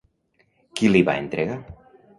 Qui li va entregar?